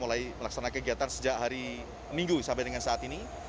mulai melaksanakan kegiatan sejak hari minggu sampai dengan saat ini